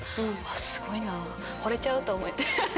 すごいなほれちゃうと思って。